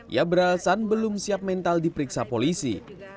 ia beralasan belum siap mental diperiksa polisi